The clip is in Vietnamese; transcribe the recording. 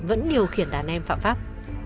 vẫn điều khiển đàn em phạm pháp